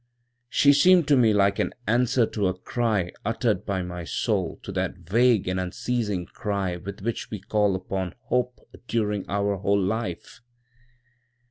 "She seemed to me like an answer to a cry uttered by my soul, to that vague and unceasing cry with which we call upon Hope during our whole life.